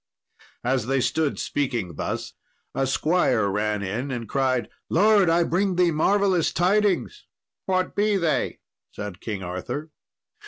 As they stood speaking thus, a squire ran in and cried, "Lord, I bring thee marvellous tidings." "What be they?" said King Arthur.